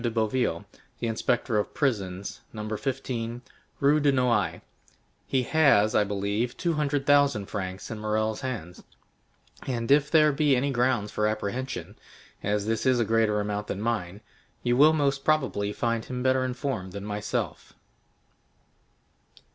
de Boville, the inspector of prisons, No. 15, Rue de Nouailles; he has, I believe, two hundred thousand francs in Morrel's hands, and if there be any grounds for apprehension, as this is a greater amount than mine, you will most probably find him better informed than myself."